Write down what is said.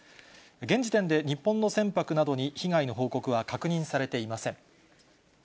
現時点で、日本の船舶などに被害の報告は確認されていません。